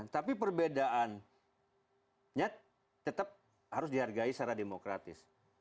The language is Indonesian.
tapi perbedaannya tetap harus dihargai secara demokratis